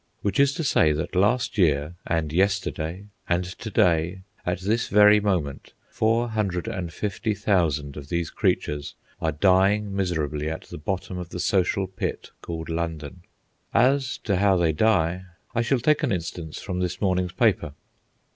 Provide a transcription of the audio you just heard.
Which is to say that last year, and yesterday, and to day, at this very moment, 450,000 of these creatures are dying miserably at the bottom of the social pit called "London." As to how they die, I shall take an instance from this morning's paper.